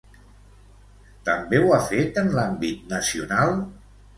També ho ha fet en l'àmbit nacional?